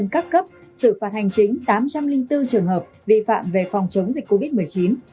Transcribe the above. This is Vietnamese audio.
các cấp xử phạt hành chính tám trăm linh bốn trường hợp vi phạm về phòng chống dịch covid một mươi chín